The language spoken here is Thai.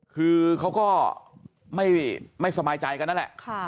คือเขาก็ไม่สบายใจกันนั่นแหละ